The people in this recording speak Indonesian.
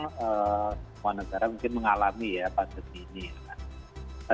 semua negara mungkin mengalami ya pandemi ini ya